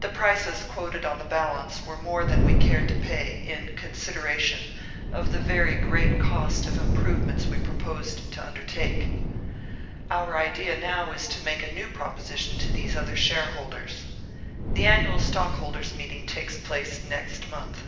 The prices quoted on the balance were more than we cared to pay, in consideration of the very great cost of the improvements we proposed to undertake. Our idea is now to make a new proposition to these other shareholders. The annual stockholders' meeting takes place next month.